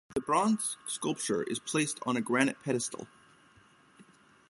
The bronze scuplpture is placed on an granite pedestal.